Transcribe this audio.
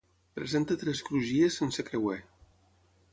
Presenta tres crugies sense creuer.